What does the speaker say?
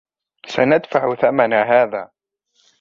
ستدفع ثمن هذا.